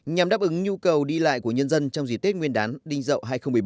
nhằm đáp ứng nhu cầu đi lại của nhân dân trong dịp tết nguyên đán đinh dậu hai nghìn một mươi bốn